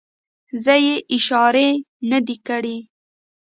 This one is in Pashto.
زه یې اشارې نه دي کړې.